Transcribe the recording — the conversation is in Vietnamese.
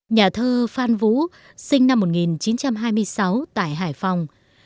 nhà thơ phan vũ sinh năm một nghìn chín trăm hai mươi sáu tại hải phòng